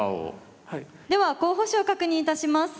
では候補手を確認いたします。